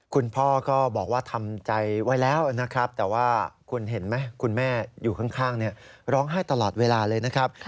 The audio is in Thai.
คุณพ่อก็บอกว่าทำใจไว้แล้วนะครับแต่ว่าคุณเห็นไหมคุณแม่อยู่ข้างร้องไห้ตลอดเวลาเลยนะครับ